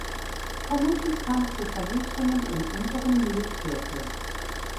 Vermutlich kam es zu Verwüstungen im Unteren Mühlviertel.